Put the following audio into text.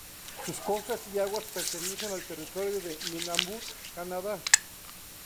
Sus costas y aguas pertenecen al territorio de Nunavut, Canadá.